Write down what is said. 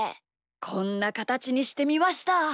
こんなかたちにしてみました。